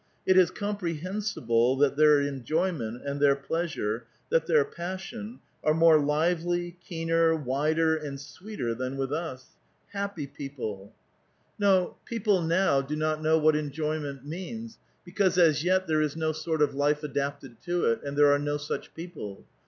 It is comprehensible that their enjoyment, that their pleasure, that their passion, are more lively, keener, wider, and sweeter than with us. Happy jeopb! A VITAL QUESTION, 887 No ; people now do not know what enjoyment means, ■ because as yet there is no sort of life adapted to it, and there are no such people.